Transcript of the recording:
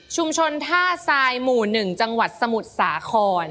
ท่าทรายหมู่๑จังหวัดสมุทรสาคร